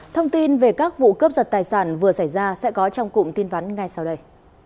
thông tin về các vụ cướp giật tài sản vừa xảy ra sẽ có trong cụm tin vắn ngay sau đây